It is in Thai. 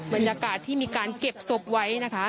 บรรยากาศที่มีการเก็บศพไว้นะคะ